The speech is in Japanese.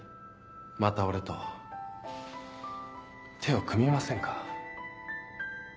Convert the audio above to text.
また俺と手を組みませんか？